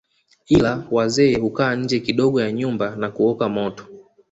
Ila wazee hukaa nje kidogo ya nyumba na kukoka moto